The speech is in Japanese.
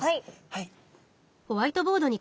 はい！